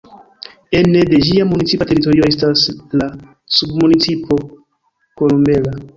Ene de ĝia municipa teritorio estas la submunicipo Corumbela.